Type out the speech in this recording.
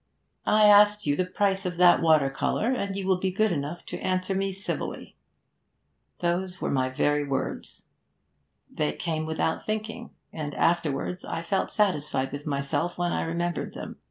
"I asked you the price of that water colour, and you will be good enough to answer me civilly." Those were my very words. They came without thinking, and afterwards I felt satisfied with myself when I remembered them.